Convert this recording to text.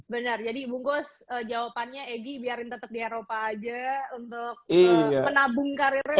benar jadi bungkus jawabannya egy biarin tetap di eropa aja untuk menabung karirnya